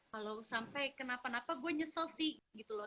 kalau sampai kenapa napa gue nyesel sih